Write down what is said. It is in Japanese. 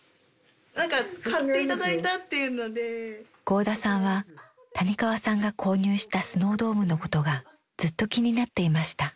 合田さんは谷川さんが購入したスノードームのことがずっと気になっていました。